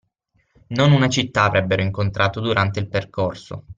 Non una città avrebbero incontrato durante il percorso